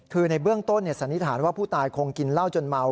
คือในเบื้องต้นสันนิษฐานว่าผู้ตายคงกินเหล้าจนเมา